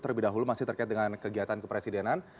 terlebih dahulu masih terkait dengan kegiatan kepresidenan